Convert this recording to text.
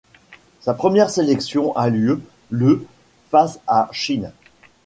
Sa première sélection a lieu le face à Chine.